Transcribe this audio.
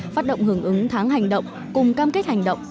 phát động hưởng ứng tháng hành động cùng cam kết hành động